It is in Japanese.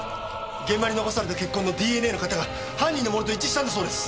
現場に残された血痕のＤＮＡの型が犯人のものと一致したんだそうです。